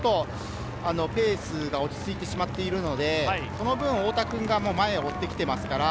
ペースが落ち着いてしまっているので、その分、太田君が前を追ってきていますから。